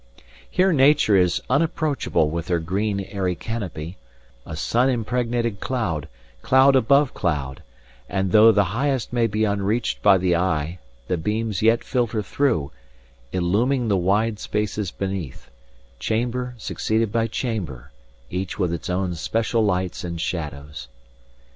Here Nature is unapproachable with her green, airy canopy, a sun impregnated cloud cloud above cloud; and though the highest may be unreached by the eye, the beams yet filter through, illuming the wide spaces beneath chamber succeeded by chamber, each with its own special lights and shadows.